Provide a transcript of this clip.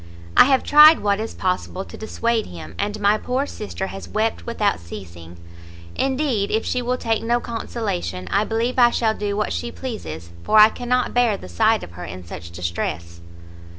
I have tried what is possible to dissuade him, and my poor sister has wept without ceasing. Indeed, if she will take no consolation, I believe I shall do what she pleases, for I cannot bear the sight of her in such distress."